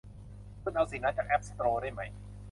คุณเอาสิ่งนั้นจากแอพสโตร์ได้มั้ย